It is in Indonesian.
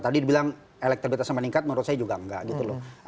tadi dibilang elektabilitasnya meningkat menurut saya juga enggak gitu loh